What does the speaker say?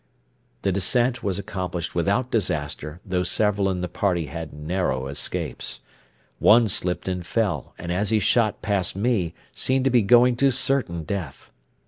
The descent was accomplished without disaster, though several of the party had narrow escapes. One slipped and fell, and as he shot past me seemed to be going to certain death.